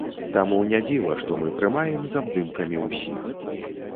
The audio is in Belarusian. Таму не дзіва, што мы прымаем з абдымкамі ўсіх.